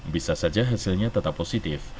bisa saja hasilnya tetap positif